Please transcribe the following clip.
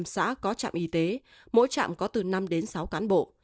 một trăm linh xã có trạm y tế mỗi trạm có từ năm đến sáu cán bộ